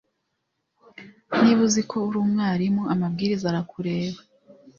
Niba uzi ko uri mwarimu amabwiriza arakureba